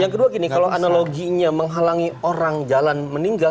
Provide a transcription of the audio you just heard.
yang kedua gini kalau analoginya menghalangi orang jalan meninggal